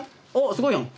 すごいやん！